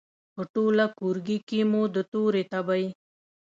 په ټوله کورکې کې مو د تورې تبې،